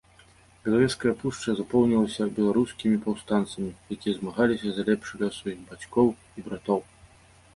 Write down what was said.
Белавежская пушча запоўнілася беларускімі паўстанцамі, якія змагаліся за лепшы лёс сваіх бацькоў і братоў.